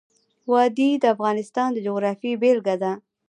وادي د افغانستان د جغرافیې بېلګه ده.